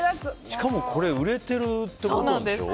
しかも、これ売れてるってことでしょ。